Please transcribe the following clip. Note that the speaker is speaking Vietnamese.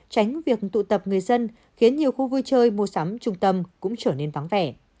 tránh việc tụ tập người dân khiến nhiều khu vui chơi mua sắm trung tâm cũng trở nên vắng vẻ